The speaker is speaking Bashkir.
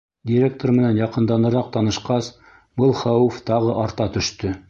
Директор менән яҡынданыраҡ танышҡас, был хәүеф тағы арта төштө.